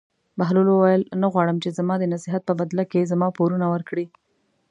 بهلول وویل: نه غواړم چې زما د نصیحت په بدله کې زما پورونه ورکړې.